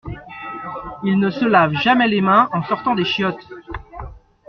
Il ne se lave jamais les mains en sortant des chiottes.